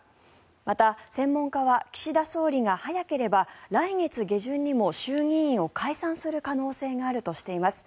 また、専門家は岸田総理が早ければ来月下旬にも衆議院を解散する可能性があるとしています。